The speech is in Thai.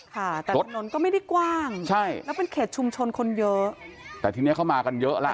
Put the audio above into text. ค่ะแต่ถนนก็ไม่ได้กว้างใช่แล้วเป็นเขตชุมชนคนเยอะแต่ทีเนี้ยเข้ามากันเยอะแล้ว